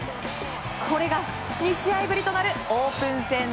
これが２試合ぶりとなるオープン戦